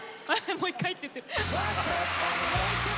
「もう１回」って言ってる。